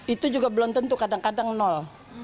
itu juga belum tentu kadang kadang nol